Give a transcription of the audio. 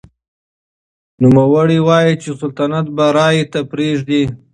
نوموړي وايي چې سلطنت به رایې ته پرېږدي.